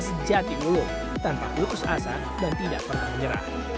sejati mulut tanpa putus asa dan tidak pernah menyerah